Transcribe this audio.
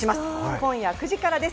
今夜９時からです。